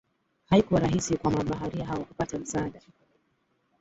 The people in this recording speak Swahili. haikuwa rahisi kwa mabaharia hao kupata msaada